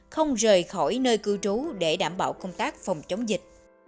không rời khỏi nơi cư trú để đảm bảo công tác phòng chống dịch